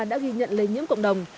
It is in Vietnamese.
đã ghi nhận lây nhiễm cộng đồng